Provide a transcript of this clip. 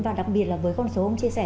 và đặc biệt với con số ông chia sẻ